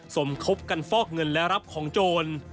สมคบกันฟอกเงินและรับของโจร